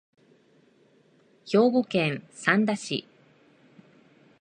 兵庫県三田市